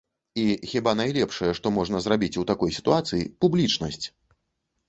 І хіба найлепшае, што можна зрабіць у такой сітуацыі, —публічнасць.